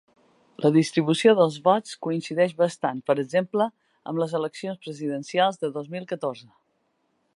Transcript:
La distribució dels vots coincideix bastant, per exemple, amb les eleccions presidencials de dos mil catorze.